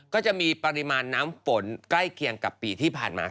ก็จะมีปริมาณน้ำฝนใกล้เคียงกับปีที่ผ่านมา